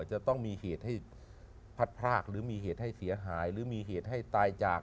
จะต้องมีเหตุให้พัดพรากหรือมีเหตุให้เสียหายหรือมีเหตุให้ตายจาก